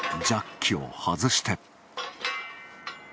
ジャッキを外して。